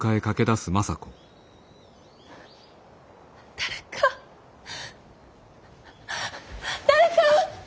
誰か誰か！